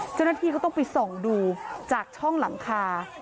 เจ้าหน้าที่ก็ต้องไปส่องดูจากช่องหลังคา